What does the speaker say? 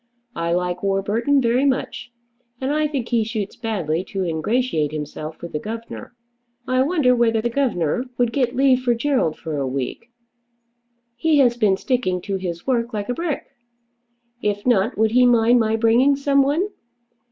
I like Warburton very much, and I think he shoots badly to ingratiate himself with the governor. I wonder whether the governor would get leave for Gerald for a week. He has been sticking to his work like a brick. If not, would he mind my bringing someone?